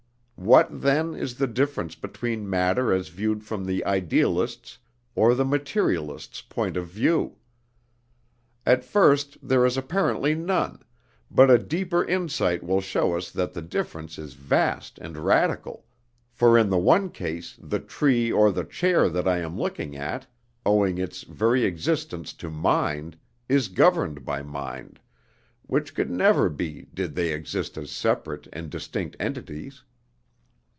What, then, is the difference between matter as viewed from the Idealist's or the Materialist's point of view? At first there is apparently none, but a deeper insight will show us that the difference is vast and radical, for in the one case the tree or the chair that I am looking at, owing its very existence to mind, is governed by mind, which could never be did they exist as separate and distinct entities.